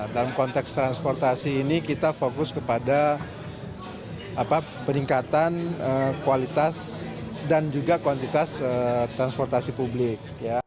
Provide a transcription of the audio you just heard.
dalam konteks transportasi ini kita fokus kepada peningkatan kualitas dan juga kuantitas transportasi publik